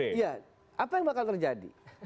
iya apa yang bakal terjadi